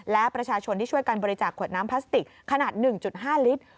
และประชาชนที่ช่วยการบริจาคขวดน้ำพลาสติกขนาด๑๕ลิตร